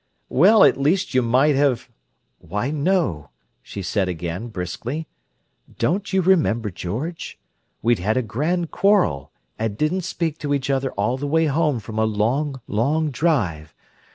"Well, at least you might have—" "Why, no," she said again briskly. "Don't you remember, George? We'd had a grand quarrel, and didn't speak to each other all the way home from a long, long drive!